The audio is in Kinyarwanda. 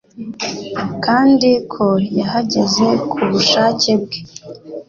kandi ko yahageze ku bushake bwe.